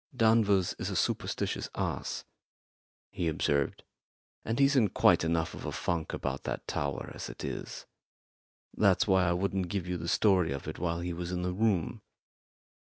"Danvers is a superstitious ass," he observed, "and he's in quite enough of a funk about that tower as it is; that's why I wouldn't give you the story of it while he was in the room.